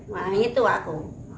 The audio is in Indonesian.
nah itu aku